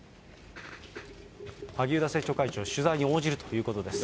萩生田政調会長、取材に応じるということです。